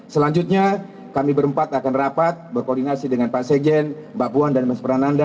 selanjutnya kami berempat akan rapat berkoordinasi dengan pak sejen mbak puan dan mas prananda